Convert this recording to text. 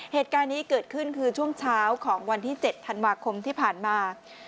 เหตุการณ์นี้เกิดขึ้นคือช่วงเช้าของวันที่๗ธันวาคมที่ผ่านมา